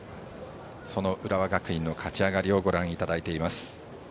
浦和学院の勝ち上がりをご覧いただいています。